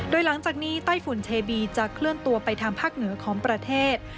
โดยหลังจากนี้ไต้ฝุ่นเชบีจะเคลื่อนตัวไปทางภาคเหนือของประเทศ